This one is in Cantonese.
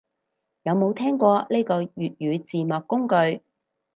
有冇聽過呢個粵語字幕工具